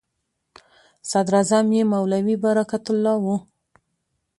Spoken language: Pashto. صدراعظم یې مولوي برکت الله و.